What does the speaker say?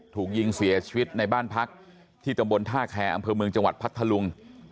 ถูกยิงเสียชีวิตในบ้านพักที่ตำบลท่าแคร์อำเภอเมืองจังหวัดพัทธลุง